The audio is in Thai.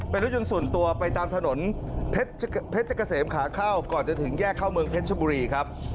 เป็นรถยนต์ส่วนตัวไปตามถนนเพชรเกษมขาเข้าก่อนจะถึงแยกเข้าเมืองเพชรชบุรีครับ